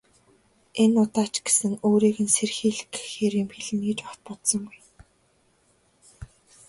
Энэ удаа ч гэсэн өөрийг нь сэрхийлгэхээр юм хэлнэ гэж огт бодсонгүй.